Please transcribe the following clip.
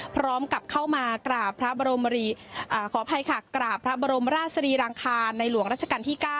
พร้อมกับเข้ามากราบพระบรมราชศรีรางคาในหลวงราชกันที่๙